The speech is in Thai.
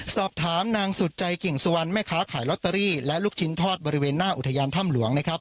สอบถามนางสุดใจกิ่งสุวรรณแม่ค้าขายลอตเตอรี่และลูกชิ้นทอดบริเวณหน้าอุทยานถ้ำหลวงนะครับ